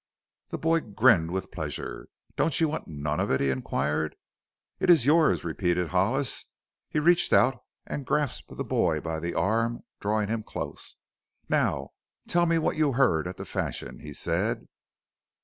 The boy grinned with pleasure. "Don't you want none of it?" he inquired. "It is yours," repeated Hollis. He reached out and grasped the boy by the arm, drawing him close. "Now tell me what you heard at the Fashion," he said.